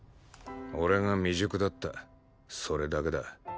俺が未熟だったそれだけだ。